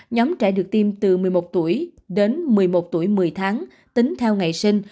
nhóm trẻ được tiêm từ một mươi một tuổi đến một mươi một tuổi một mươi tháng tính theo ngày sinh